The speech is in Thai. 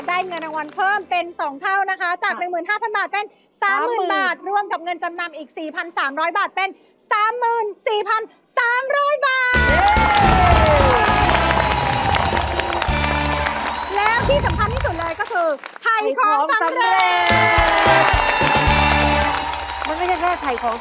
ได้เงินอนวัลเพิ่มเป็น๒เท่านะคะ